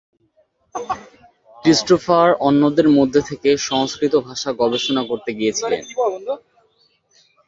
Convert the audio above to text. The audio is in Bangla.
ক্রিস্টোফার অন্যদের মধ্যে থেকে সংস্কৃত ভাষা গবেষণা করতে গিয়েছিলেন।